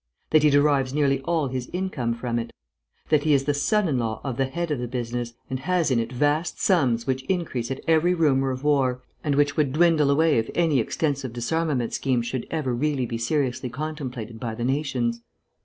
That he derives nearly all his income from it? That he is the son in law of the head of the business, and has in it vast sums which increase at every rumour of war and which would dwindle away if any extensive disarmament scheme should ever really be seriously contemplated by the nations?